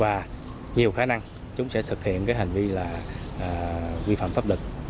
và nhiều khả năng chúng sẽ thực hiện hành vi quy phạm pháp lực